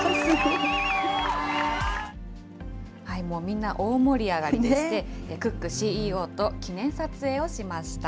もうみんな大盛り上がりでして、クックＣＥＯと記念撮影をしました。